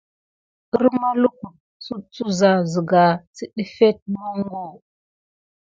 Hərma lukutu suke ziza siɗefet monko.